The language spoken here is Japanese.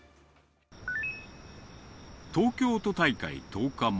東京都大会１０日前。